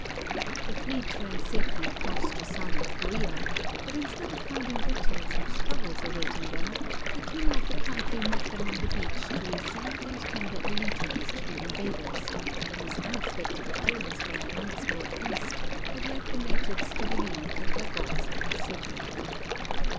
The fleet ran safely across to southern Corea, but instead of finding battles and struggles awaiting them, the king of the country met them on the beach to receive and tender allegiance to the invaders, whose unexpected appearance from the unexplored East had led the natives to believe that their gods had forsaken them.